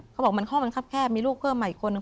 เขาบอกมันห้องมันครับแคบมีลูกเพิ่มมาอีกคนนึง